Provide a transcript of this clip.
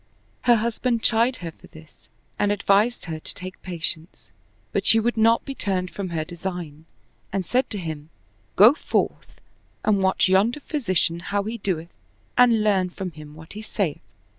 Her husband chid her for this and advised her to take patience; but she would not be turned from her design and said to him, " Go forth and watch yonder physician how he doth and learn from him what he saith."